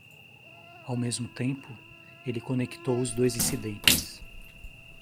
Ao mesmo tempo? ele conectou os dois incidentes.